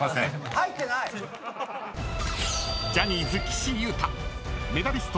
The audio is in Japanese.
入ってない⁉［ジャニーズ岸優太メダリスト